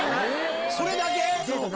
それだけ？